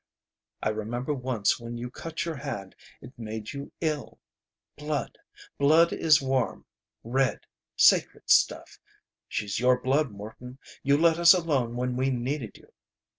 I remember once when you cut your hand it made you ill. Blood! Blood is warm. Red. Sacred stuff. She's your blood, Morton. You let us alone when we needed you.